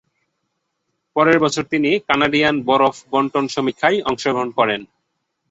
পরের বছর তিনি কানাডিয়ান বরফ বণ্টন সমীক্ষায় অংশগ্রহণ করেন।